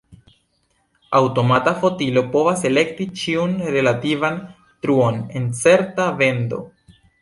Aŭtomata fotilo povas elekti ĉiun relativan truon en certa bendo.